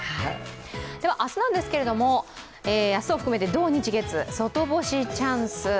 明日なんですけども、明日を含めて土日月、外干しチャンス。